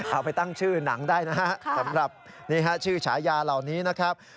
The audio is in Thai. เอาไปตั้งชื่อหนังได้นะฮะสำหรับนี่ฮะชื่อฉายาเหล่านี้นะครับ